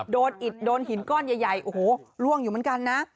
อิดโดนหินก้อนใหญ่โอ้โหล่วงอยู่เหมือนกันนะ